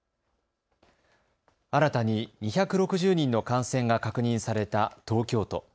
新たに２６０人の感染が確認された東京都。